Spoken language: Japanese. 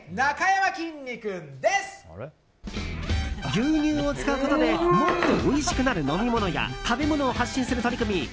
牛乳を使うことでもっとおいしくなる飲み物や食べ物を発信する取り組み